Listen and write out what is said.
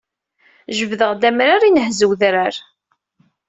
Jebdeɣ d amrar inhez wedrar